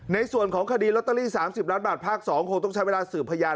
ในส่วนของคดีลอตเตอรี่๓๐ล้านบาทภาค๒คงต้องใช้เวลาสืบพยาน